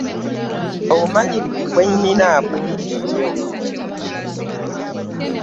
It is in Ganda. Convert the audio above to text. Obumanyirivu bwe nnina bungi nnyo.